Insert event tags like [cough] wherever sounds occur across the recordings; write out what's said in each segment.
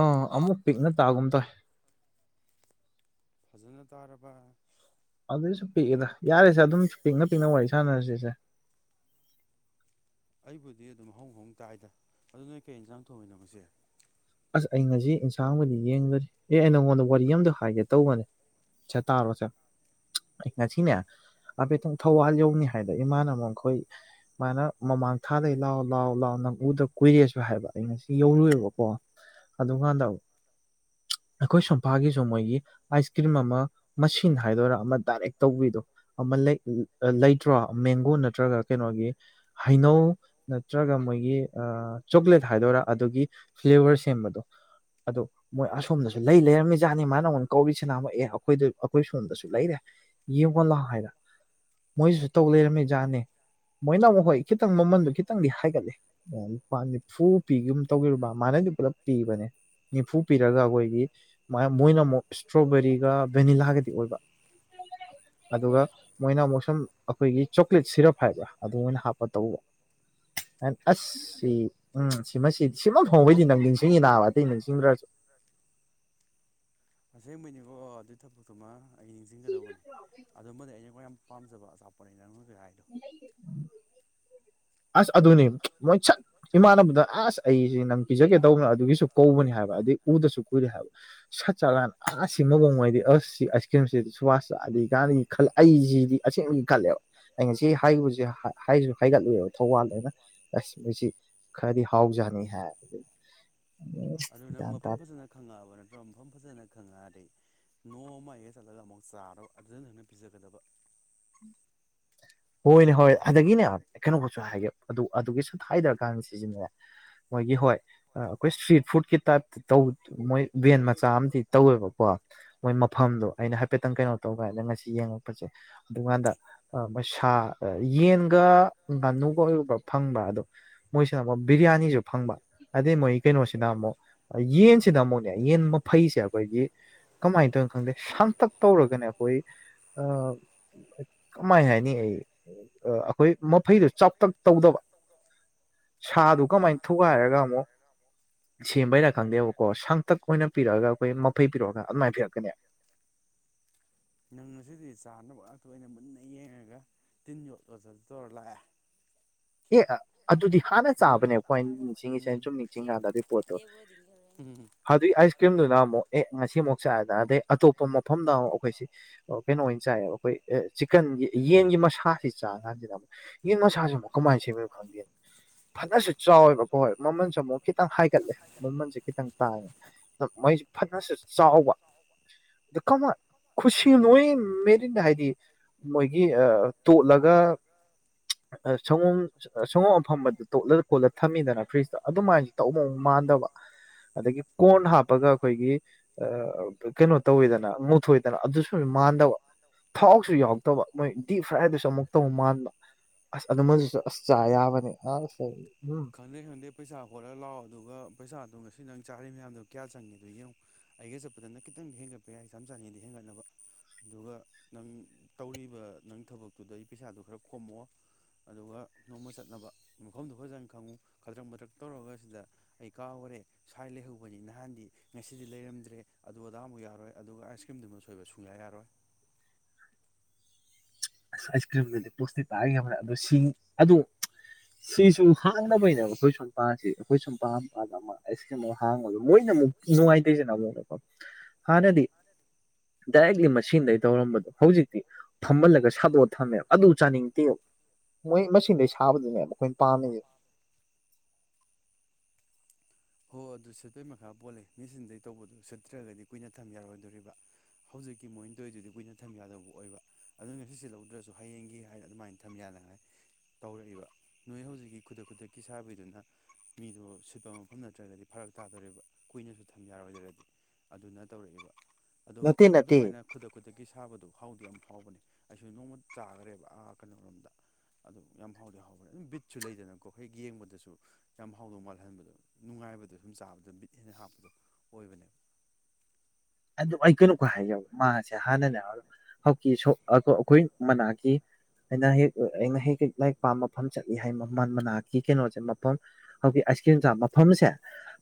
ꯑꯥ ꯑꯃꯨꯛ ꯄꯤꯛꯅ ꯇꯥꯒꯨꯝ ꯇꯥꯏ ꯐꯖꯅ ꯇꯥꯔꯕ ꯑꯗꯨꯏꯁꯨ ꯄꯤꯛꯑꯦꯗ ꯌꯥꯔꯤꯁꯦ ꯑꯗꯨꯝ ꯄꯤꯛꯅ ꯄꯤꯛꯅ ꯋꯥꯔꯤ ꯁꯥꯟꯅꯔꯁꯤꯁꯦ ꯑꯗꯨꯕꯨꯗꯤ ꯑꯗꯨꯝ ꯍꯧ ꯍꯧꯣꯡ ꯇꯥꯏꯗ ꯑꯗꯨ ꯅ ꯀꯩ ꯌꯦꯟꯁꯥꯡ ꯊꯣꯡꯃꯤꯅꯣꯕꯁꯦ ꯑꯩ ꯉꯁꯤ ꯏꯟꯁꯥꯡꯕꯨꯗꯤ ꯌꯦꯡꯗꯔꯤ ꯑꯦ ꯑꯩ ꯅꯪꯉꯣꯟꯗ ꯋꯥꯔꯤ ꯑꯃꯝꯗ ꯍꯥꯏꯒꯦ ꯇꯧꯕꯅꯦ ꯁ ꯇꯥꯔꯣꯁꯦ ꯑꯩ ꯉꯁꯤꯅꯦ ꯍꯥꯏꯐꯦꯠꯇꯪ ꯊꯧꯕꯥꯜ ꯌꯧꯅꯤ ꯍꯥꯏꯗꯅ ꯏꯃꯥꯅ ꯑꯃꯨꯛ ꯑꯩꯈꯣꯏ ꯃꯥꯅ ꯃꯃꯥꯡ ꯊꯥꯗꯩ ꯂꯥꯎꯑꯣ ꯂꯥꯎꯑꯣ ꯂꯥꯛꯑꯣ ꯅꯪꯎꯗ ꯀꯨꯏꯔꯦꯁꯨ ꯍꯥꯏꯕ ꯑꯩ ꯉꯁꯤ ꯌꯧꯔꯨꯑꯦꯕꯀꯣ ꯑꯗꯨꯀꯥꯟꯗ ꯑꯩꯈꯣꯏ ꯁꯣꯝꯐꯥꯒꯤꯁꯨ ꯃꯣꯏꯒꯤ ꯑꯥꯏꯁ ꯀ꯭ꯔꯤꯝ ꯑꯃ ꯃꯟ ꯍꯥꯏꯗꯣꯏꯔꯥ ꯑꯃ ꯗꯥꯏꯔꯦꯛ ꯇꯧꯕꯤꯗꯣ ꯑꯃ ꯂꯩꯇ꯭ꯔꯣ ꯃꯦꯡꯒꯣ ꯅꯠꯇ꯭ꯔꯒ ꯀꯩꯅꯣꯒꯤ ꯍꯩꯅꯧ ꯅꯠꯇ꯭ꯔꯒ ꯃꯣꯏꯒꯤ ꯆꯣꯀ꯭ꯂꯦꯠ ꯍꯥꯏꯗꯣꯏꯔꯥ ꯑꯗꯨꯒꯤ ꯐ꯭ꯂꯦꯕꯔ ꯁꯦꯝꯕꯗꯣ ꯑꯗꯣ ꯃꯣꯏ ꯑꯁꯣꯝꯗꯁꯨ ꯂꯩ ꯂꯩꯔꯝꯃꯤꯖꯥꯠꯅꯦ ꯃꯥꯅ ꯑꯃꯉꯣꯟ ꯀꯧꯔꯤꯁꯤꯅꯥꯃ ꯑꯦ ꯑꯩꯈꯣꯏꯗ ꯑꯩꯈꯣꯏ ꯁꯣꯝꯗꯁꯨ ꯂꯩꯔꯦ ꯌꯦꯡꯉꯂꯥ ꯍꯥꯏꯔ ꯃꯣꯏꯁꯤꯁꯨ ꯇꯧ ꯂꯩꯔꯝꯃꯤꯖꯥꯠꯅꯦ ꯃꯣꯏꯅ ꯑꯃꯨꯛ ꯍꯣꯏ ꯈꯤꯇꯪ ꯃꯃꯟꯗꯣ ꯈꯤꯇꯪꯗꯤ ꯍꯥꯏꯒꯠꯂꯤ ꯅꯨꯄꯥꯗꯤ ꯐꯨ ꯄꯤꯒꯨꯝ ꯇꯧꯒꯔꯨꯕ ꯃꯥꯏꯅꯗꯤ ꯄꯨꯂꯞ ꯄꯤꯕꯅꯦ ꯅꯤꯐꯨ ꯄꯤꯔꯒ ꯑꯩꯈꯣꯏꯒꯤ ꯃꯣꯏꯅ ꯑꯃꯨꯛ ꯏꯁꯇ꯭ꯔꯣꯕꯦꯔꯤꯒ ꯚꯦꯅꯤꯂꯥꯒꯗꯤ ꯑꯣꯏꯕ ꯑꯗꯨꯒ ꯃꯣꯏꯅ ꯑꯃꯨꯛ ꯁꯨꯝ ꯑꯩꯈꯣꯏꯒꯤ ꯂꯤꯠ ꯁꯤꯔꯞ ꯍꯥꯏꯕ꯭ꯔꯥ ꯑꯗꯨ ꯑꯣꯏꯅ ꯍꯥꯞꯄ ꯇꯧꯕ ꯑꯁ ꯁꯤ ꯎꯝ ꯁꯤꯃ ꯁꯤ ꯁꯤꯃ ꯍ ꯍꯩꯗꯤ ꯅꯪ ꯅꯤꯡꯁꯤꯡꯉꯤ ꯅꯥꯕ ꯑꯇꯩ ꯅꯤꯡꯁꯤꯡꯈ꯭ꯔꯁꯨ ꯇꯈꯤꯇꯕ ꯕꯇꯃꯥ ꯑꯩ ꯅꯤꯡꯁꯤꯡꯒꯗꯧꯕꯅꯦ ꯑꯗꯨꯃꯗꯤ ꯑꯩꯅ ꯃꯣꯏꯌꯥꯝ ꯄꯥꯝꯖꯕ ꯑꯆꯥꯄ ꯂꯩꯅ ꯥꯏꯗꯣ ꯑꯁ ꯑꯗꯨꯅꯤ ꯃꯣꯏ ꯁꯠ ꯏꯃꯥꯟꯅꯕꯗ ꯑꯁ ꯑꯩꯁꯦ ꯅꯪ ꯄꯤꯖꯒꯦ ꯇꯧꯕꯅ ꯑꯗꯨꯒꯤꯁꯨ ꯀꯧꯕꯅꯤ ꯍꯥꯏꯕ ꯑꯗꯨꯗꯩ ꯎꯗꯁꯨ ꯀꯨꯏꯔꯦ ꯍꯥꯏꯕ ꯁꯠ ꯆꯀꯥꯟꯗ ꯑꯥ ꯁꯤꯃꯒꯧꯉꯩꯗꯤ ꯑꯁ ꯁꯤ ꯑꯥꯏꯁ ꯀ꯭ꯔꯤꯝꯁꯤꯦ ꯁꯨꯕꯥꯁꯗ ꯀꯥꯟ ꯈꯜꯂꯦ ꯑꯩꯁꯤꯗꯤ ꯑꯁꯦꯡꯕꯒꯤ ꯈꯜꯂꯦꯕ ꯑꯩ ꯉꯁꯤ ꯍꯥꯏꯁꯦ ꯍꯥꯏꯁꯨ ꯍꯥꯏꯒꯠꯂꯨꯑꯕ ꯊꯧꯕꯥꯜꯅ ꯑꯁ ꯃꯣꯏꯁꯤ ꯈꯔꯗꯤ ꯍꯥꯎꯖꯅꯤ ꯍꯥꯏ ꯑꯗꯨ ꯒ꯭ꯌꯥꯟ ꯇꯥ ꯈꯉ ꯑꯗꯩ ꯅꯣ ꯃꯥꯏꯒ ꯆꯠꯂꯒ ꯑꯃꯨꯛ ꯆꯥꯔꯕ ꯑꯗꯨꯗ ꯅꯪꯅ ꯄꯤꯖꯒꯗꯕ ꯍꯣꯏꯅꯦ ꯍꯣꯏ ꯑꯗꯒꯤꯅꯦ ꯀꯩꯅꯣꯕꯨꯁꯨ ꯍꯥꯏꯒꯦ ꯑꯗꯨ ꯑꯗꯨꯒꯤ ꯁꯊꯥꯏꯗꯔꯀꯥꯟꯗ ꯁꯤꯖꯤꯟꯅꯔꯦ ꯃꯣꯏꯒꯤ ꯍꯣꯏ ꯑꯩꯈꯣꯏ ꯏꯁꯇ꯭ꯔꯤꯠ ꯐꯨꯗꯀꯤ ꯇꯥꯏꯞꯇ ꯇꯧ ꯃꯣꯏ ꯕ꯭ꯔꯦꯟ ꯃꯆꯥ ꯑꯃꯗꯤ ꯇꯧꯋꯦꯕꯀꯣ ꯃꯣꯏ ꯃꯐꯝꯗꯣ ꯑꯩꯅ ꯍꯥꯏꯐꯦꯠꯇꯪ ꯀꯩꯅꯣ ꯇꯧꯒꯗ ꯉꯁꯤ ꯌꯦꯡꯉꯛꯄꯁꯦ ꯑꯗꯨꯀꯥꯟꯗ ꯃꯁ ꯌꯦꯟꯒ ꯉꯥꯅꯨꯒ ꯑꯣꯏꯨꯝꯕ ꯐꯪꯕ ꯑꯗꯣ ꯃꯣꯏꯁꯤꯅ ꯑꯃꯨꯛ ꯕꯤꯔꯌꯥꯅꯤꯁꯨ ꯐꯪꯕ ꯑꯗꯩ ꯃꯣꯏ ꯀꯩꯅꯣꯁꯤꯅ ꯑꯃꯨꯛ ꯌꯦꯟꯁꯤꯗ ꯑꯃꯨꯛꯅꯦ ꯌꯦꯟ ꯃꯩꯁꯦ ꯑꯩꯈꯣꯏꯒꯤ ꯀꯃꯥꯏꯅ ꯇꯧꯔꯤꯅꯣ ꯈꯪꯗꯦ ꯁꯥꯡꯇꯛ ꯇꯧꯔꯒꯅꯦ ꯑꯩꯈꯣꯏ ꯀꯃꯥꯏꯅ ꯍꯥꯏ ꯑꯩ ꯑꯩꯈꯣꯏ ꯃꯐꯩꯗꯨꯣ ꯆꯞꯇꯛ ꯇꯧꯗꯕ ꯁꯥꯗꯨ ꯀꯃꯥꯏꯅ ꯊꯨꯒꯥꯏꯔꯒ ꯑꯃꯨꯛ ꯁꯦꯝꯕꯔ ꯈꯪꯗꯦꯕꯀꯣ ꯁꯥꯡꯇꯛ ꯑꯣꯏꯅ ꯄꯤꯔꯛꯑꯒ ꯑꯩꯈꯣꯏ ꯃꯐꯩ ꯄꯤꯔꯛꯑꯒ ꯑꯗꯨꯃꯥꯏꯅ ꯄꯤꯔꯛꯀꯅꯦ ꯊꯣꯏꯅ ꯃꯨꯟꯅ ꯌꯦꯡꯉꯒ ꯇꯤꯟ ꯌꯣꯠꯂꯣ ꯆ ꯇꯧꯔ ꯂꯥꯛꯑꯦ ꯑꯦ ꯑꯗꯨꯗꯤ ꯍꯥꯟꯅ ꯆꯥꯕꯅꯦꯕꯀꯣ ꯑ ꯅꯤꯡꯁꯤꯡꯉꯁꯦ ꯑꯩꯅ ꯁꯨꯝ ꯅꯤꯡꯁꯤꯡꯀꯥꯟꯗ ꯑꯗꯨꯏ ꯄꯣꯠꯇꯣ ꯑꯗꯨꯏ ꯑꯥꯏꯁ ꯀ꯭ꯔꯤꯝꯗꯨꯅ ꯑꯃꯨꯛ ꯑꯦ ꯉꯁꯤꯃꯨꯛ ꯆꯥꯏꯗꯅ ꯑꯗꯩ ꯑꯇꯣꯞꯄ ꯃꯐꯝꯗ ꯑꯃꯨꯛ ꯑꯩꯈꯣꯏꯁꯤ ꯀꯩꯅꯣ ꯑꯣꯏꯅ ꯆꯥꯏꯌꯦꯕ ꯑꯩꯣꯏ ꯆꯤꯛꯀꯟꯒꯤ ꯌꯦꯟꯒꯤ ꯃꯁꯥꯁꯤ ꯆꯥꯔꯥꯟꯁꯤꯗ ꯑꯃꯨꯛ ꯌꯦꯟ ꯃꯁꯥꯁꯤ ꯑꯃꯨꯛ ꯀꯃꯥꯏꯅ ꯁꯦꯝꯃꯤꯅꯣ ꯈꯪꯗꯦꯅ ꯐꯖꯅꯁꯨ ꯆꯥꯎꯋꯦꯕꯀꯣ ꯍꯣꯏ ꯃꯃꯜꯁꯨ ꯑꯃꯨꯛ ꯈꯤꯇꯪ ꯍꯥꯏꯒꯠꯂꯦ ꯃꯃꯜꯁꯦ ꯈꯤꯇꯪ ꯇꯥꯡꯉꯦ ꯑꯗ ꯃꯣꯏꯁꯦ ꯉ ꯆꯥꯎꯕ ꯀꯃ ꯈꯨꯁꯤ ꯃꯣꯏ ꯃꯦꯗꯤꯟꯗ ꯍꯥꯏꯗꯤ ꯃꯣꯏꯒꯤ ꯇꯣꯠꯂꯒ ꯁꯪꯒꯣꯝ ꯁꯪꯒꯣꯝ ꯑꯐꯝꯝꯕꯗ ꯇꯣꯠꯂ ꯀꯣꯠꯂ ꯊꯝꯃꯤꯗꯅ ꯐ꯭ꯔꯤꯖꯇ ꯑꯗꯨꯃꯥꯏꯅꯁꯨ ꯇꯧꯛ ꯃꯥꯟꯗꯕ ꯑꯗꯒꯤ ꯀꯣꯔꯟ ꯍꯥꯞꯄꯒ ꯑꯩꯈꯣꯏꯒꯤ ꯀꯩꯅꯣ ꯇꯧꯋꯤꯗꯅ ꯃꯨꯊꯣꯏꯗꯅ ꯑꯗꯨꯁꯨ ꯃꯥꯟꯗꯕ ꯊꯥꯎꯁꯨ ꯌꯥꯎꯔꯗꯕ ꯃꯣꯏ ꯗꯤꯞ ꯐ꯭ꯔꯥꯏꯗꯨꯁꯨ ꯑꯃꯨꯛ ꯇꯧꯕ ꯃꯥꯟꯕ ꯑꯁ ꯃꯗꯨꯁꯨ ꯑꯁ ꯆ ꯌꯥꯕꯅꯦ ꯑ ꯁ ꯎꯝ ꯑ ꯅꯪ ꯆꯥꯔꯤ ꯃꯌꯥꯝꯗꯣ ꯀꯌꯥ ꯆꯪꯉꯦ ꯑꯗꯨ ꯌꯦꯡꯉꯛ ꯑꯩꯒ ꯆꯄ ꯑꯗꯨꯖꯅ ꯈꯤꯇꯪꯗꯤ ꯍꯦꯟꯒꯠꯄ ꯌꯥꯏ ꯆꯝ ꯆꯅꯤꯗꯤ ꯍꯦꯟꯒꯠꯅꯕ ꯑꯗꯨꯒ ꯅꯪ ꯇꯧꯔꯤꯕ ꯅꯪ ꯊꯕꯛꯇꯨꯗ ꯑꯩ ꯄꯩꯁꯥꯗꯨ ꯈꯔ ꯈꯣꯝꯃꯣ ꯑꯗꯨꯒ ꯅꯣꯡꯃ ꯆꯠꯅꯕ ꯃꯐꯝꯗꯨꯣ ꯐꯖꯅ ꯈꯪꯉꯨ ꯈꯥꯗ꯭ꯔꯛ ꯃꯗ꯭ꯔꯛ ꯇꯧꯔꯒ ꯁꯤꯗ ꯑꯩ ꯀꯥꯎꯈꯔꯦ ꯁ꯭ꯋꯥꯏ ꯂꯩꯍꯧꯕꯅꯤ ꯅꯍꯥꯟꯗꯤ ꯉꯁꯤꯗꯤ ꯂꯩꯔꯝꯗ꯭ꯔꯦ ꯑꯗꯨ ꯑꯗꯥꯃꯨꯛ ꯌꯥꯔꯣꯏ ꯑꯗꯨꯒ ꯑꯥꯏꯁ ꯀ꯭ꯔꯤꯝꯗꯨꯃ ꯁꯣꯏꯕ ꯁꯨꯡꯌꯥ ꯌꯥꯔꯣꯏ ꯑꯁ ꯑꯥꯏꯁ ꯀ꯭ꯔꯤꯝꯗꯨꯗꯤ ꯄꯣꯁꯇꯤꯛ ꯇꯥꯕꯅꯦ ꯑꯣ ꯁꯤ ꯑ ꯁꯤꯁꯨ ꯍꯥꯡꯅꯕꯩꯅꯦꯕ ꯑꯩꯈꯣꯏ ꯁꯣꯝꯄꯥꯁꯤ ꯑꯩꯈꯣꯏ ꯁꯝꯄꯥꯄꯥꯗ ꯑꯃ ꯑꯥꯏꯁ ꯀ꯭ꯔꯤꯝ ꯑꯃ ꯍꯥꯡꯕꯗꯣ ꯃꯣꯏꯅ ꯑꯃꯨꯛ ꯅꯨꯡꯉꯥꯏꯇꯣꯏꯁꯤꯅ ꯑꯃꯨꯛꯗꯀꯣ ꯍꯥꯟꯅꯗꯤ ꯗꯥꯏꯔꯦꯛꯂꯤ ꯃꯁꯤꯡꯗꯒꯤꯩ ꯇꯧꯔꯝꯕꯗꯣ ꯍꯧꯖꯤꯛꯇꯤ ꯐꯝꯍꯜꯂꯒ ꯁꯥꯗꯣꯑ ꯊꯝꯃꯦꯕ ꯑꯗꯨ ꯆꯥꯅꯤꯡꯗꯦꯕ ꯃꯣꯏ ꯃꯁꯤꯡꯗꯩ ꯁꯥꯕꯗꯨꯅꯦꯕ ꯑꯩꯣꯏꯅ ꯄꯥꯝꯃꯤꯁꯦ ꯍꯣ ꯑꯗꯨ ꯁꯠꯄꯩ ꯃꯈꯥ ꯄꯣꯜꯂ ꯃꯦꯆꯤꯟꯗꯒꯤꯩ ꯇꯧꯕꯗꯨ ꯁꯠꯇ꯭ꯔꯒꯗꯤ ꯀꯨꯏꯅ ꯊꯝ ꯌꯥꯔꯣꯏꯗꯣꯔꯤꯕ ꯍꯧꯖꯤꯛꯀꯤ ꯃꯣꯏꯅ ꯇꯧꯔꯤꯗꯨꯗꯤ ꯀꯨꯏꯅ ꯊꯝ ꯌꯥꯗꯧꯕ ꯑꯣꯏꯕ ꯑꯗꯨ ꯉꯁꯤꯁꯦ ꯂꯧꯗ꯭ꯔꯁꯨ ꯍꯌꯦꯡꯒꯤ ꯍꯥꯏꯗꯤ ꯑꯗꯨꯃꯥꯏꯅ ꯊꯝ ꯌꯥꯅꯉꯥꯏ ꯇꯧꯔꯛꯏꯕ ꯅꯣꯏ ꯍꯧꯖꯤꯛꯀꯤ ꯈꯨꯗꯛ ꯈꯨꯗꯛꯀꯤ ꯁꯥꯕꯤꯗꯨꯅ ꯃꯤꯗꯣ ꯁꯤꯠꯄ ꯃꯐꯝ ꯅꯠꯇ꯭ꯔꯒꯗꯤ ꯐꯔꯛ ꯇꯥꯗꯣꯔꯤꯕ ꯀꯨꯏꯅꯁꯨ ꯊꯝ ꯌꯥꯔꯣꯏꯗ꯭ꯔꯗꯤ ꯑꯗꯨꯅ ꯇꯧꯔꯛꯏꯕ ꯑꯣ ꯑꯗꯨꯃꯥꯏꯅ ꯈꯨꯗꯛ ꯈꯨ ꯆꯀꯤ ꯁꯥꯕꯗꯨ ꯐꯥꯎꯗꯤ ꯌꯥꯝ ꯐꯥꯎꯕꯅꯦ ꯑꯩꯁꯨ ꯅꯣꯡꯃ ꯆꯥꯈ꯭ꯔꯦꯕ ꯀꯩꯅꯣꯔꯣꯝꯗ ꯑꯗꯨ ꯌꯥꯝ ꯍꯥꯎꯗꯤ ꯍꯥꯎꯕ꯭ꯔꯦ ꯑꯗꯨꯝ ꯕꯤꯠꯁꯨ ꯂꯩꯗꯅꯀꯣ ꯍꯦꯛ ꯌꯦꯡꯕꯗꯁꯨ ꯌꯥꯝ ꯍꯥꯎꯗꯧ ꯃꯥꯜꯍꯟꯕꯗꯣ ꯅꯨꯡꯉꯥꯏꯕꯗꯣ ꯁꯨꯝ ꯆꯥꯕꯗ ꯕꯤꯠ ꯍꯦꯟꯅ ꯍꯥꯞꯄꯗꯣ ꯑꯣꯏꯕꯅꯦꯕ ꯑꯗꯨ ꯑꯩ ꯀꯩꯅꯣ ꯈ ꯍꯥꯏꯖꯕ ꯃꯥꯁꯦ ꯍꯥꯟꯅꯅꯦ ꯍꯧꯖꯤꯀꯤ ꯑꯩꯈꯣꯏ ꯃꯅꯥꯛꯀꯤ ꯑꯩꯅ ꯍꯦꯛ ꯑꯩꯅ ꯍꯦꯛ ꯍꯦꯛ ꯂꯥꯏꯔꯤꯛ ꯄꯥꯝꯕ ꯃꯐꯝ ꯆꯠꯂꯤ ꯍꯥꯏ ꯃꯅꯥꯛꯀꯤ ꯀꯩꯅꯣꯁꯦ ꯃꯐꯝ ꯍꯧꯖꯤꯛ ꯑꯥꯏꯁ ꯀ꯭ꯔꯤꯝ ꯆꯥ ꯃꯐꯝꯁꯦ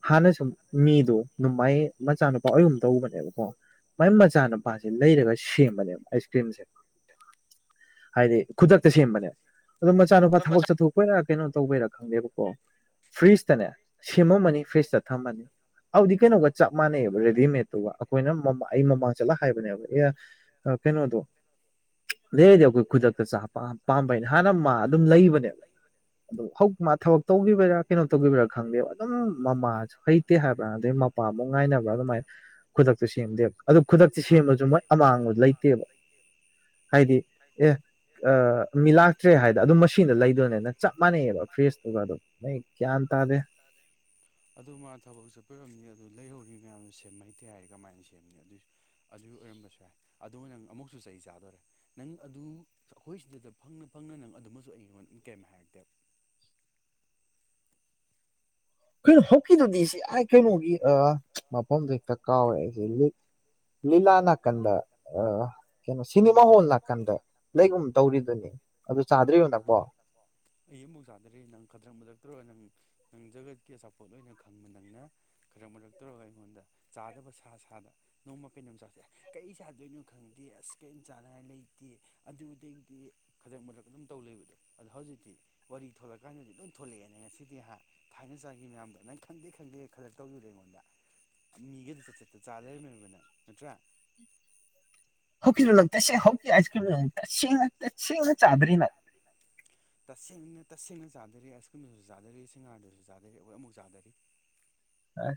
ꯍꯥꯟꯅ ꯁꯨꯝ ꯃꯤꯗꯣ ꯅꯣꯡꯃꯥꯏ ꯃꯆꯥꯅꯨꯄꯥ ꯑꯣꯏꯒꯨꯝ ꯇꯧꯕꯅꯦ ꯕꯀꯣ ꯃꯥꯏ ꯃꯆꯥꯅꯨꯄꯥꯁꯦ ꯂꯩꯔꯒ ꯁꯦꯝꯕꯅꯦꯕ ꯑꯥꯏꯁ ꯀ꯭ꯔꯤꯝꯁꯦ ꯍꯥꯏꯗꯤ ꯈꯨꯗꯛꯇ ꯁꯦꯝꯕꯅꯦ ꯑꯗꯨꯣ ꯃꯆꯥꯅꯨꯄꯥ ꯊꯕꯛ ꯆꯠꯊꯣꯛꯄ ꯑꯣꯏꯅ ꯀꯩꯅꯣ ꯇꯧꯕꯔ ꯈꯪꯗꯦꯕꯀꯣ ꯐ꯭ꯔꯤꯖꯇꯅꯦ ꯁꯦꯝꯃꯝꯃꯅꯤ ꯐ꯭ꯔꯤꯖꯇ ꯊꯝꯃꯅꯤ ꯑꯗꯨꯗꯤ ꯀꯩꯅꯣꯒ ꯆꯞ ꯃꯥꯟꯅꯩꯑꯕ ꯔꯦꯗꯤꯃꯦꯗ ꯑꯗꯨꯒ ꯑꯩꯈꯣꯏꯅ ꯃꯃ ꯑꯩ ꯃꯃꯥꯡ ꯆꯠꯂ ꯍꯥꯏꯕꯅꯦꯕ ꯑꯦ ꯀꯩꯅꯣꯗꯣ ꯂꯩꯗꯤ ꯑꯩꯈꯣꯏ ꯈꯨꯗꯛꯇ ꯆꯥ ꯄꯥꯝꯕꯩꯅ ꯍꯥꯟꯅ ꯃꯥ ꯑꯗꯨꯝ ꯂꯩꯕꯅꯦꯕ ꯑꯣ ꯍꯧ ꯃꯥ ꯊꯕꯛ ꯇꯧꯈꯤꯕꯔꯥ ꯀꯩꯅꯣ ꯇꯧꯈꯤꯕꯔꯥ ꯈꯪꯗꯦꯕ ꯑꯗꯨꯝ ꯃꯃꯥꯁꯨ ꯍꯩꯇꯦ ꯍꯥꯏꯕ꯭ꯔꯥ ꯑꯗꯩ ꯃꯄꯥꯃꯨꯛ ꯉꯥꯏꯅꯕ꯭ꯔꯥ ꯑꯗꯨꯃꯥꯏꯅ ꯈꯨꯗꯛꯇꯨ ꯁꯦꯝꯗꯦꯕ ꯑꯗꯨ ꯈꯨꯗꯛꯇꯤ ꯁꯦꯝꯕꯁꯨ ꯃꯣꯏ ꯑꯃꯥꯡꯕ ꯂꯩꯇꯦꯕ ꯍꯥꯏꯗꯤ ꯑꯦ ꯃꯤ ꯂꯥꯛꯇ꯭ꯔꯦ ꯍꯥꯏꯗꯅ ꯑꯗꯨꯝ ꯃꯁꯤꯡꯗ ꯂꯩꯗꯣꯏꯅꯦꯅ ꯆꯞ ꯃꯥꯟꯅꯩꯑꯕ ꯐ꯭ꯔꯦꯁꯇꯨꯒ ꯑꯗꯣ ꯅꯣꯏ ꯒ꯭ꯌꯥꯟ ꯇꯥꯗꯦ ꯃꯌꯥꯝꯅ ꯁꯦꯝꯃꯩꯇ ꯍꯥꯏꯔ ꯀꯃꯥꯏꯅ ꯁꯦꯝꯅꯤ ꯑꯗꯨꯏꯁꯨ ꯑꯗꯨ ꯑꯣꯏꯔꯝꯕꯁꯨ ꯌꯥꯏ ꯑꯗ ꯅꯪ ꯑꯃꯨꯛꯁꯨ ꯆꯍꯤ ꯆꯥꯗꯣꯔꯦ ꯅꯪ ꯑꯗꯨ ꯑꯩꯈꯣꯏ ꯁꯤꯗ ꯐꯪꯅ ꯐꯪꯅ ꯅꯪ ꯑꯗꯨꯃꯁꯨ ꯑꯩ ꯌꯣꯟ ꯏꯟ ꯀꯩꯝ ꯍꯥꯏꯔꯛꯇꯦꯕ ꯑꯩꯈꯣꯏ ꯍꯣꯛꯀꯤꯗꯨꯗꯤ ꯁꯤ ꯑꯥꯏ ꯀꯩꯅꯣꯒꯤ ꯐꯛꯇ ꯀꯥ ꯑꯣꯏ ꯂꯤꯂꯅ ꯅꯥꯀꯟꯗ ꯀꯩꯅꯣ ꯁꯤꯅꯦꯃꯥ ꯍꯣꯜ ꯅꯥꯀꯥꯟꯗ ꯂꯩꯒꯨꯝꯕ ꯇꯧꯔꯤꯗꯨꯅꯤ ꯑꯗꯨ ꯆꯥꯗ꯭ꯔꯤꯕ ꯅꯪꯀꯣ ꯅꯪ ꯖꯒꯠꯀꯤ ꯑꯆꯥꯄꯣꯠ ꯑꯣꯏꯅ ꯈꯪꯕ ꯅꯪꯅ ꯈꯔꯛ ꯃꯔꯛ ꯇꯧꯔꯒ ꯑꯩꯉꯣꯟꯗ ꯆꯥꯗꯕ ꯁꯥ ꯁꯥꯗ ꯅꯣꯡꯃ ꯀꯩꯅꯣꯝ ꯆ ꯀꯔꯤ ꯁꯥꯗꯣꯏꯅꯣ ꯈꯪꯗꯦ ꯑꯁ ꯀꯔꯤꯝ ꯆꯥꯅꯉꯥꯏ ꯂꯩꯇꯦ ꯑꯗꯨꯩꯗꯤ ꯈꯗꯛ ꯃꯔꯛ ꯑꯗꯨꯝ ꯇꯧ ꯂꯩꯕꯗꯣ ꯑꯗꯣ ꯍꯧꯖꯤꯛꯇꯤ ꯋꯥꯔꯤ ꯊꯂꯛꯀꯥꯟꯗꯗꯤ ꯑꯗꯨꯝ ꯊꯣꯛꯂꯛꯑꯦꯅꯦ ꯉꯁꯤꯗꯤ ꯊꯥꯏꯅ ꯆꯥꯈꯤ ꯃꯌꯥꯝꯗꯣ ꯅꯪ ꯈꯪꯗꯦ ꯈꯪꯗꯦ ꯈꯗꯛ ꯇꯧꯗꯗ ꯑꯩꯉꯣꯟꯗ ꯃꯤꯒꯗꯨ ꯆꯠ ꯆꯠꯇ ꯆꯥ ꯂꯩꯔꯝꯃꯦꯕꯅ ꯅꯠꯇ꯭ꯔꯥ ꯍꯀꯤꯤꯔꯣ ꯂꯪ ꯇꯁꯦ ꯍ ꯑ ꯀ ꯇꯁꯤ ꯆꯥꯗꯔꯤ ꯅ ꯇꯁꯦꯡꯅ ꯇꯁꯦꯡꯅ ꯆꯥꯗꯔ ꯑꯥꯏꯁ ꯀ꯭ꯔꯤꯝꯗꯨꯁꯨ ꯆꯥꯗꯔꯤ ꯁꯁꯤꯡꯉꯥꯔꯗꯨꯁꯨ ꯆꯥꯗꯔꯤ ꯍꯈꯣꯏ ꯑꯃꯨꯛ ꯆꯥꯗꯔꯤ ꯑ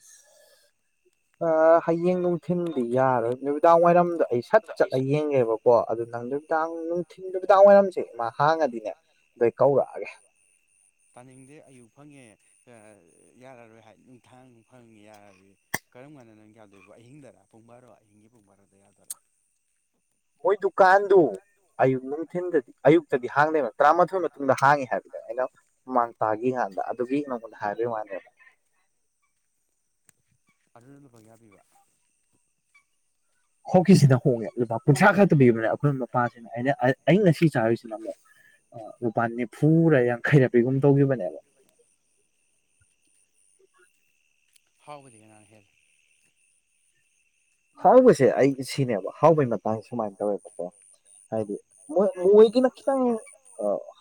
ꯑ ꯌꯦꯡ ꯅꯨꯡꯊꯤꯟꯗꯤ ꯌꯥꯔꯣꯏ ꯅꯨꯃꯤꯗꯥꯡ ꯋꯥꯏꯔꯝꯗꯣ ꯑꯩ ꯁꯠ ꯆꯠꯂ ꯌꯦꯡꯉꯦꯕꯀꯣ ꯑꯗꯨ ꯅꯪ ꯇ ꯊ ꯍꯃꯤꯗꯥꯡ ꯋꯥꯏꯔꯝꯁꯦ ꯏꯃꯥ ꯍꯥꯡꯉꯗꯤꯅꯦ ꯑꯗꯨꯩ ꯀꯧꯔꯛꯑꯒꯦ ꯌꯥꯔꯔꯣꯏ ꯍꯥꯏ ꯅꯨꯡꯊꯥꯡ ꯅꯨꯡ ꯐꯪꯉꯦ ꯌꯥꯔꯗꯤ ꯀꯔꯝꯕꯥꯟꯅꯅꯪ ꯌꯥꯗꯣꯏꯣ ꯑꯍꯤꯡꯗꯔꯥ ꯄꯨꯡ ꯕꯥꯔꯣ ꯑꯍꯤꯡꯒꯤ ꯄꯨꯡ ꯕꯥꯔꯣꯗ ꯌꯥꯗꯣꯏꯔꯥ ꯍꯣꯏ ꯇꯗꯨ ꯗꯨꯀꯥꯟꯗꯨꯣ ꯑꯌꯨꯛ ꯅꯨꯡꯊꯤꯤꯟꯗꯗꯤ ꯑꯌꯨꯛꯇꯗꯤ ꯍꯥꯡꯗꯦꯕ ꯇꯔꯥꯃꯥꯊꯣꯏ ꯃꯇꯨꯡꯗ ꯍꯥꯡꯉꯤ ꯍꯥꯏꯕꯅꯦ ꯑꯩꯅ ꯃꯃꯥꯡ ꯇꯥꯈꯤꯀꯥꯟꯗ ꯑꯗꯨꯒꯤ ꯅꯪꯉꯣꯟꯗ ꯍꯥꯏꯕꯒꯤ ꯋꯥꯅꯦꯕ ꯑꯂ ꯣꯏꯌꯥꯥꯕꯤ ꯍꯧꯀꯤꯁꯤꯅ ꯍꯣꯡꯉꯦ ꯂꯨꯄꯥ ꯀꯨꯟꯊ꯭ꯔꯥ ꯈꯛꯇ ꯄꯤꯕꯅꯦ ꯑꯩꯈꯣꯏ ꯃꯄꯥꯁꯤꯅ ꯑꯩꯅ ꯑꯩꯩꯅ ꯉꯁꯤ ꯆꯥꯔꯤꯁꯤꯅ ꯑꯃꯨꯛ ꯂꯨꯄꯥ ꯅꯤꯐꯨꯔ ꯌꯥꯡꯈꯩꯔ ꯄꯤꯒꯨꯝ ꯇꯧꯈꯤꯕꯅꯦꯕ ꯍꯥꯎꯕꯗꯤ ꯀꯅꯥꯅ ꯍꯦꯜꯂꯤ ꯍꯥꯎꯕꯁꯦ ꯑꯩ ꯁꯤꯅꯦꯕ ꯍꯥꯎꯕꯩ ꯃꯇꯥꯡꯁꯦ ꯁꯨꯃꯥꯏꯅ ꯇꯧꯋꯦꯕꯀꯣ ꯍꯥꯏꯗꯤ ꯃꯣꯏ ꯃꯣꯏꯒꯤꯅ ꯈꯤꯇꯪ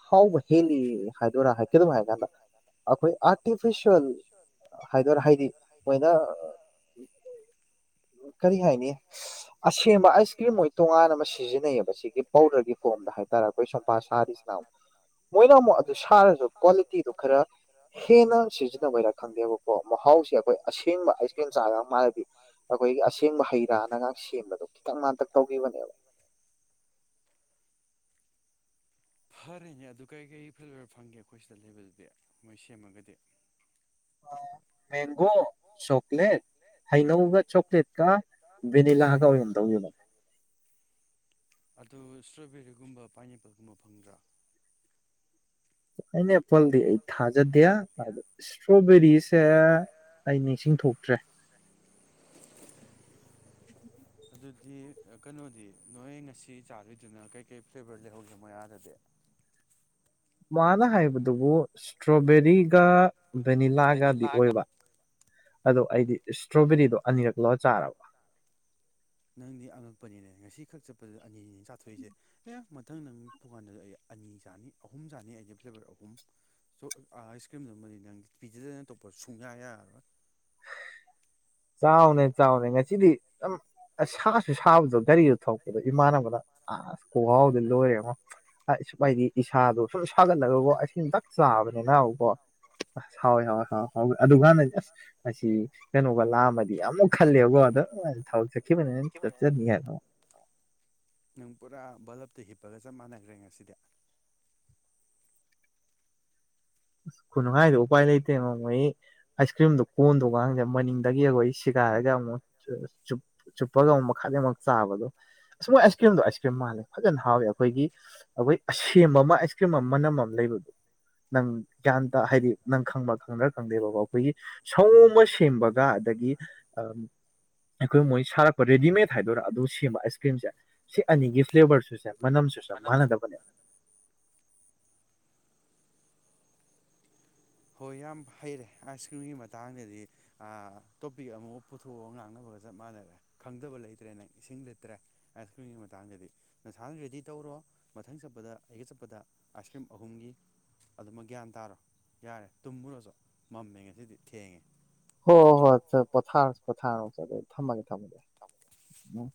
ꯍꯥꯎꯕ ꯍꯦꯜꯂꯤ ꯍꯥꯏꯗꯣꯏꯔꯥ ꯍꯥꯏ ꯀꯩꯗꯧꯝ ꯍꯥꯏ ꯀꯥꯟꯗ ꯑꯩꯈꯣꯏ ꯑꯥꯔꯇꯤꯐꯤꯁꯋꯦꯜ ꯍꯥꯏꯗꯣꯏꯔꯥ ꯍꯥꯏꯗꯤ ꯃꯣꯏꯅ ꯀꯔꯤ ꯍꯥꯏꯅꯤ ꯑꯁꯦꯡꯕ ꯑꯥꯏꯁ ꯀ꯭ꯔꯤꯝ ꯃꯣꯏ ꯇꯣꯉꯥꯟꯅ ꯑꯃ ꯁꯤꯖꯤꯟꯅꯩꯌꯦꯕ ꯁꯤꯒꯤ ꯄꯥꯎꯗꯔꯒꯤ ꯐꯣꯝꯗ ꯍꯥꯏꯇꯥꯔꯦ ꯑꯩꯈꯣꯏ [unintelligible] ꯁꯥꯔꯤꯁꯤꯅ ꯑꯃꯨꯛ ꯃꯣꯏꯅ ꯑꯃꯨꯛ ꯑꯗꯨ ꯁꯥꯔꯁꯨ ꯀ꯭ꯋꯥꯂꯤꯇꯤꯗꯨ ꯈꯔ ꯍꯦꯟꯅ ꯁꯤꯖꯤꯟꯅꯕꯩꯔꯥ ꯈꯪꯗꯦꯕꯀꯣ ꯃꯍꯥꯎꯁꯦ ꯑꯩꯈꯣꯏ ꯑꯁꯦꯡꯕ ꯑꯥꯏꯁ ꯀ꯭ꯔꯤꯝ ꯆꯥꯔ ꯃꯥꯜꯅꯗꯤ ꯑꯩꯈꯣꯏꯒꯤ ꯑꯁꯦꯡꯕ ꯍꯩ ꯔꯥꯅꯒꯥꯛ ꯁꯦꯝꯕꯗꯣ ꯈꯤꯇꯪ [inaudible] ꯇꯛ ꯇꯧꯈꯤꯕꯅꯦꯕ ꯐꯔꯦꯅꯦ ꯑꯗꯨ ꯀꯔꯤꯀꯔꯤ ꯐ꯭ꯂꯦꯕꯔ ꯐꯪꯒꯦ ꯑꯩꯈꯣꯏ ꯁꯤꯗ ꯂꯩꯕꯗꯨꯗꯤ ꯃꯣꯏ ꯁꯦꯝꯃꯒꯗꯤ ꯃꯦꯡꯒꯣ ꯆꯣꯀꯂꯦꯠ ꯍꯩꯅꯧꯒ ꯆ ꯀ ꯕꯤꯅꯤꯂꯒ ꯑꯣꯏꯔꯝ ꯗꯧ [unintelligible] ꯑꯗꯣ ꯁꯇ꯭ꯔꯣꯕꯦꯔꯤꯒꯨꯝꯕ ꯄꯥꯏꯅꯦꯄꯜꯒꯨꯝꯕ ꯐꯪꯗ꯭ꯔꯥ ꯄꯥꯏꯅꯦꯄꯜꯗꯤ ꯑꯩ ꯊꯥꯖꯗꯦ ꯑ ꯁꯇ꯭ꯔꯣꯕꯦꯔꯤꯁꯦ ꯑꯩ ꯅꯤꯡꯁꯤꯡ ꯊꯣꯛꯇ꯭ꯔꯦ ꯑꯗꯨꯗꯤ ꯀꯩꯅꯣꯗꯤ ꯅꯣꯏ ꯉꯁꯤ ꯆꯥꯗꯣꯏꯗꯨꯅ ꯀꯩꯀꯩ ꯐ꯭ꯂꯦꯚꯔ ꯂꯩꯍꯧꯒꯦ ꯃꯣꯏ ꯑꯗꯗꯤ ꯃꯥꯅ ꯍꯥꯏꯕꯗꯨꯕꯨ ꯁꯇ꯭ꯔꯣꯕꯦꯔꯤꯒ ꯚꯦꯅꯤꯂꯥꯒꯗꯤ ꯑꯣꯏꯕ ꯑꯗꯣ ꯑꯩꯗꯤ ꯁꯇ꯭ꯔꯣꯕꯦꯔꯤꯗꯣ ꯑꯅꯤꯔꯛ ꯂꯧꯔ ꯆꯥꯔꯕ ꯅꯪꯗꯤ ꯑꯉꯛꯄꯅꯤꯅꯦ ꯉꯁꯤ ꯈꯛ ꯆꯠꯄꯗꯨꯗ ꯑꯅꯤꯅꯤ [inaudible] ꯃꯊꯪ ꯅꯪ ꯄꯨꯀꯥꯟꯗꯗꯤ ꯑꯩ ꯑꯅꯤ ꯆꯥꯅꯤ ꯑꯍꯨꯝ ꯆꯥꯅꯤ ꯑꯩꯗꯤ ꯐ꯭ꯂꯦꯕꯔ ꯑꯍꯨꯝ ꯁ ꯑꯥꯏꯁ ꯀ꯭ꯔꯤꯝꯗꯨꯃꯗꯤ ꯅꯪ ꯄꯤꯖꯗꯅ ꯇꯣꯛꯄ ꯁꯨꯡꯌꯥ ꯌꯥꯔꯔꯣꯏ ꯆꯥꯎꯅꯦ ꯆꯥꯎꯅꯦ ꯉꯁꯤꯗꯤ ꯁꯝ ꯑꯁ ꯁꯥꯁꯨ ꯁꯥꯕꯗꯣ ꯒꯥꯔꯤꯗꯣ ꯊꯄꯗꯣ ꯏꯃꯥꯟꯅꯕꯗ ꯑꯁ ꯈꯣꯡꯍꯥꯎꯗꯤ ꯂꯣꯏꯔꯦꯉꯣ ꯑ ꯑ ꯍꯥꯏꯗꯤ ꯏꯁꯥꯗꯣ ꯁꯨꯝ ꯁꯥꯒꯠꯂꯒꯀꯣ ꯑꯁꯤ ꯑꯝꯇꯛ ꯆꯥꯕꯅꯤꯅꯛꯀꯣ ꯑꯁ ꯍꯥꯎꯋꯦ ꯍꯥꯎꯋꯦ ꯍꯥꯎ ꯍꯥꯎꯦ ꯑꯗꯨꯀꯥꯟꯗ ꯑꯖꯁ ꯑꯁꯤ ꯀꯩꯅꯣꯒ ꯂꯥꯑꯝꯃꯗꯤ ꯑꯃꯨꯛ ꯈꯜꯂꯦꯕꯀꯣ ꯑꯗ ꯊꯥꯎ ꯆꯈꯤꯕꯅꯅꯤ [unintelligible] ꯄꯒ ꯆꯞ ꯃꯥꯟꯅꯈ꯭ꯔꯦ ꯉꯁꯤꯗꯤ ꯑꯁ ꯈꯨꯅꯨꯡꯉꯥꯏꯗ ꯎꯄꯥꯏ ꯂꯩꯇꯦꯣ ꯃꯣꯏ ꯑꯥꯏꯁ ꯀ꯭ꯔꯤꯝꯗꯣ ꯀꯣꯟꯗꯣꯒꯥꯡꯁꯦ ꯃꯅꯤꯡꯗꯒꯤ ꯑꯩꯈꯣꯏ ꯁꯤꯦꯒꯥꯏꯔꯒ ꯑꯃꯨꯛ ꯆꯨꯞꯄꯒ ꯑꯃꯨꯛ ꯃꯈꯥꯗ ꯑꯃꯨꯛ ꯆꯥꯕꯗꯣ ꯑꯁ ꯃ ꯑꯥꯏꯁ ꯀ꯭ꯔꯤꯝꯗꯣ ꯑꯥꯏꯁ ꯀ꯭ꯔꯤꯝ ꯃꯥꯜꯂꯦ ꯐꯖꯅ ꯍꯥꯎꯋꯦ ꯑꯩꯈꯣꯏꯒꯤ ꯑꯩꯈꯣꯏ ꯑꯁꯦꯝꯕ ꯑꯃ ꯑꯥꯏꯁ ꯀ꯭ꯔꯤꯝ ꯑꯃ ꯃꯅꯝ ꯑꯃ ꯂꯩꯕꯗꯣ ꯅꯪ ꯒ꯭ꯌꯥꯟꯇ ꯍꯥꯏꯗꯤ ꯅꯪ ꯈꯪꯕ ꯈꯪꯅ꯭ꯔ ꯈꯪꯗꯦꯕꯀꯣ ꯑꯩꯈꯣꯏꯒꯤ ꯁ ꯁꯦꯝꯕꯒ ꯑꯗꯒꯤ ꯑꯩꯈꯣꯏ ꯃꯣꯏ ꯁꯥꯔꯛ ꯔꯦꯗꯤꯃꯦꯗ ꯍꯥꯏꯗꯣꯏꯔꯥ ꯑꯗꯨ ꯁꯦꯝꯕ ꯑꯥꯏꯁ ꯀ꯭ꯔꯤꯝꯁꯦ ꯁꯤ ꯑꯅꯤꯒꯤ ꯐ꯭ꯂꯦꯕꯔꯁꯨꯁꯦ ꯃꯅꯝꯁꯨꯁꯞ ꯃꯥꯟꯅꯗꯕꯅꯦ ꯍꯣꯏ ꯌꯥꯝ ꯍꯩꯔꯦ ꯑꯥꯏꯁ ꯀ꯭ꯔꯤꯝꯒꯤ ꯃꯇꯥꯡꯗꯗꯤ ꯇꯣꯄꯤꯛ ꯑꯃꯐ ꯄꯨꯊꯣꯛꯑꯒ ꯉꯥꯡꯅꯕꯒ ꯆꯞ ꯃꯥꯟꯅꯔꯦ ꯈꯪꯗꯕ ꯂꯩꯇ꯭ꯔꯦ ꯅꯪ ꯏꯁꯤꯡ ꯂꯤꯇ꯭ꯔꯦ ꯑꯥꯏꯁ ꯀ꯭ꯔꯤꯝꯒꯤ ꯃꯇꯥꯡꯗꯗꯤ ꯅꯁꯥꯅ ꯔꯦꯗꯤ ꯇꯧꯔꯣ ꯃꯊꯪ ꯆꯠꯄꯗ ꯑꯩꯒ ꯆꯠꯄꯗ ꯑꯥꯏꯁ ꯀ꯭ꯔꯤꯝ ꯑꯍꯨꯝꯒꯤ ꯑꯗꯨꯃꯛ ꯒ꯭ꯌꯥꯟ ꯇꯥꯔꯣ ꯌꯥꯔꯦ ꯇꯨꯝꯃꯨꯔꯣ ꯆꯣ ꯃꯝꯃꯦ ꯉꯁꯤꯗꯤ ꯊꯦꯡꯉꯦ ꯍꯣꯏ ꯍꯣꯏ ꯍꯣꯏ ꯄꯣꯊꯥꯔ ꯄꯣꯊꯥꯔꯁꯤ ꯑꯗꯨ ꯊꯝꯃꯒꯦ ꯊꯝꯃꯒꯦ ꯎꯝ